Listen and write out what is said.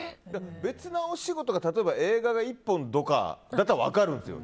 別のお仕事が、例えば映画が１本とかだと分かるんですよ。